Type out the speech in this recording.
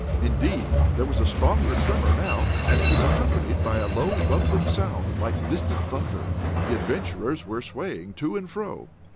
Indeed, there was a stronger tremor now, and it was accompanied by a low, rumbling sound, like distant thunder. The adventurers were swaying to and fro.